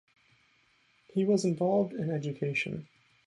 He was involved in education.